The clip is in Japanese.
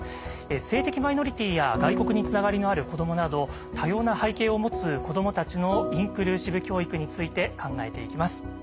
性的マイノリティーや外国につながりのある子どもなど多様な背景を持つ子どもたちのインクルーシブ教育について考えていきます。